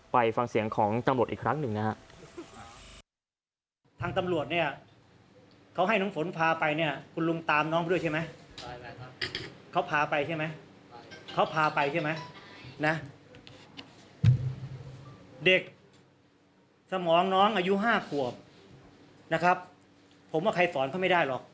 ไปฟังเสียงของตำรวจอีกครั้งหนึ่งนะครับ